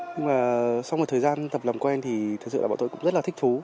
nhưng mà sau một thời gian tập làm quen thì thật sự là bọn tôi cũng rất là thích thú